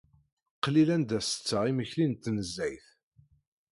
Qlil anda setteɣ imekli n tnezzayt.